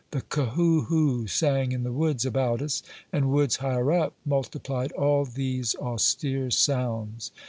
The K hou hou sang in the woods about us, and woods higher up multiplied all these austere sounds.